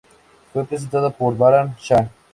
Fue presentada por Bharat Shah.